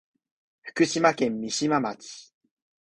福島県三島町